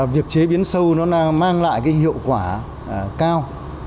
việc chế biến sâu nó mang lại cái hiệu quả cao